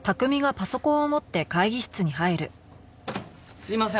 すいません。